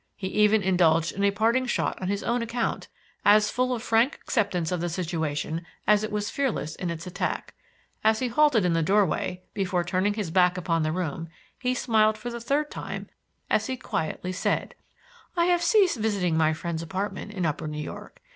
He even indulged in a parting shot on his own account, as full of frank acceptance of the situation as it was fearless in its attack. As he halted in the doorway before turning his back upon the room, he smiled for the third time as he quietly said: "I have ceased visiting my friend's apartment in upper New York.